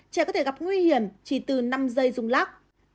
trẻ có thể gặp nguy hiểm chỉ từ năm giây rung lắc